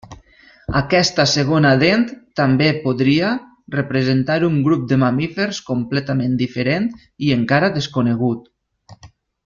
Aquesta segona dent també podria representar un grup de mamífers completament diferent i encara desconegut.